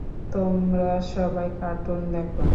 তোমরা সবাই কার্টুন দেখো।